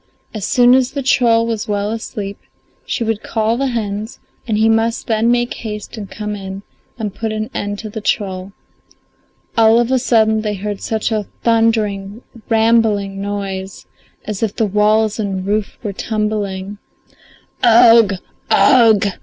As soon as the troll was well asleep she would call the hens, and he must then make haste and come in and put an end to the troll. All of a sudden they heard such a thundering, rambling noise, as if the walls and roof were tumbling in. "Ugh! Ugh!